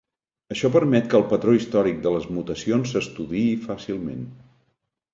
Això permet que el patró històric de les mutacions s'estudiï fàcilment.